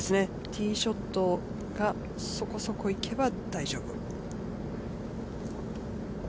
ティーショットがそこそこ行けば大丈夫。